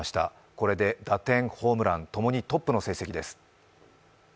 これで打点ホームランともにトップの成績です。